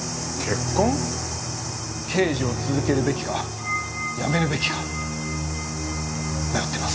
刑事を続けるべきか辞めるべきか迷ってます。